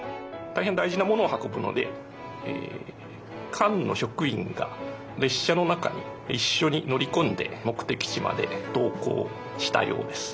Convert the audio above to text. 大変大事なものを運ぶので館の職員が列車の中に一緒に乗り込んで目的地まで同行したようです。